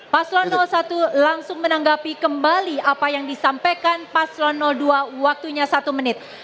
paslon satu langsung menanggapi kembali apa yang disampaikan paslon dua waktunya satu menit